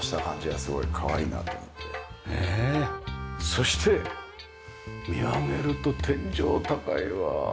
そして見上げると天井高いわ。